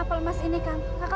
sukses kamu kawan